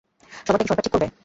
সবার টা কি সরকার ঠিক করবে?